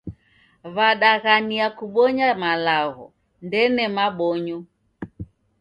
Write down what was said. Wadaghania kubonya malagho, ndene mabonyo